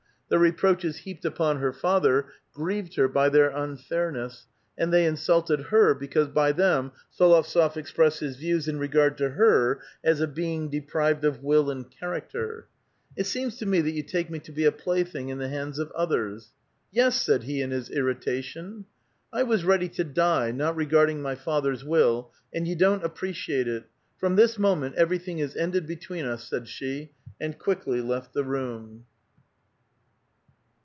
The reproaches heaped upon her father grieved her by their unfairness, and they insulted her because by them S61ovtsof expressed his views in regard to her as a being deprived of will and character. "It seems to me that you take me to be a plaything in the hands of others." " Yes," said be in his irritation. " I was ready to die, not regarding my father's will, and you don't appreciate it. From this moment everything is ended between us," said she, and quickly left the room.